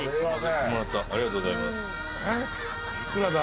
ありがとうございます。